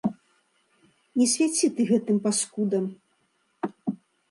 Не свяці ты гэтым паскудам!